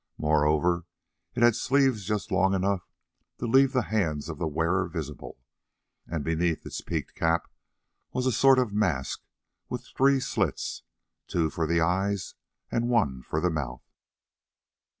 Moreover, it had sleeves just long enough to leave the hands of the wearer visible, and beneath its peaked cap was a sort of mask with three slits, two for the eyes and one for the mouth.